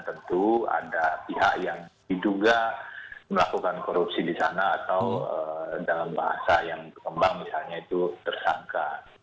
tentu ada pihak yang diduga melakukan korupsi di sana atau dalam bahasa yang berkembang misalnya itu tersangka